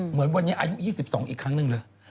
เหมือนวันนี้อายุ๒๒อีกครั้งหนึ่งเลย